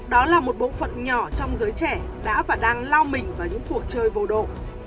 đó là một bộ phận nhỏ trong giới trẻ đã và đang lao mình vào những cuộc chơi vô độ